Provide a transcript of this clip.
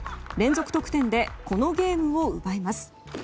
連続得点でこのゲームを奪います。